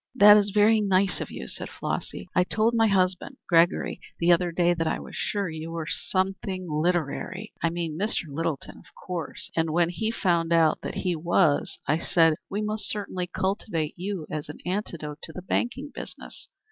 "That is very nice of you," said Flossy. "I told my husband Gregory the other day that I was sure you were something literary I mean Mr. Littleton, of course and when he found out that he was I said we must certainly cultivate you as an antidote to the banking business.